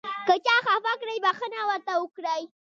که چا خفه کړئ بښنه ورته وکړئ .